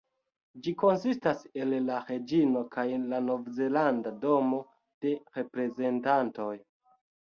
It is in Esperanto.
Ĝi konsistas el la Reĝino kaj la Novzelanda Domo de Reprezentantoj.